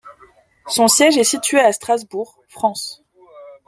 Son siège est situé à Strasbourg, France.